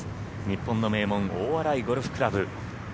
日本の名門・大洗ゴルフ倶楽部。